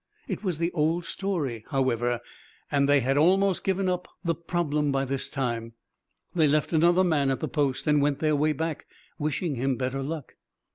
It was the old story, however, and they had almost given up the problem by this time. They left another man at the post, and went their way back, wishing him better luck.